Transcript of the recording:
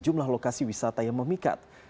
jumlah lokasi wisata yang memikat